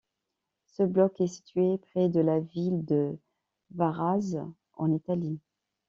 Ce bloc est situé près de la ville de Varazze en Italie.